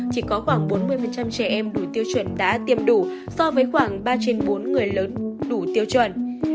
chỉ có khoảng bốn mươi trẻ em đủ tiêu chuẩn đã tiêm đủ so với khoảng ba trên bốn người lớn đủ tiêu chuẩn